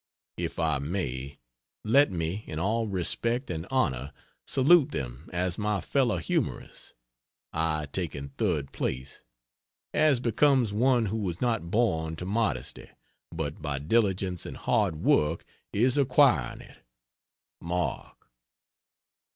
If I may, let me in all respect and honor salute them as my fellow humorists, I taking third place, as becomes one who was not born to modesty, but by diligence and hard work is acquiring it. MARK.